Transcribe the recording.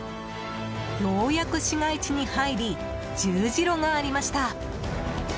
ようやく市街地に入り十字路がありました。